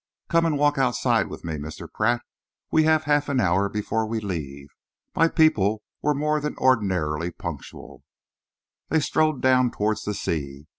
Come and walk outside with me, Mr. Pratt. We have half an hour before we leave. My people were more than ordinarily punctual." They strolled down towards the sea.